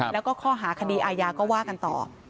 แล้วก็ข้อหาคดีอาญาก็ว่ากันต่อ